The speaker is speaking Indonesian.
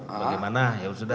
bagaimana yaudah sudah